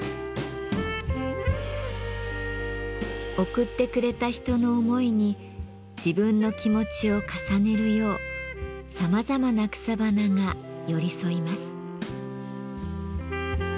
贈ってくれた人の思いに自分の気持ちを重ねるようさまざまな草花が寄り添います。